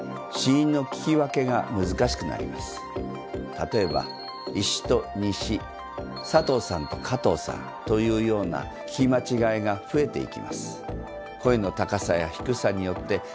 例えば「石」と「西」「佐藤さん」と「加藤さん」というような聞き間違いが増えていきます。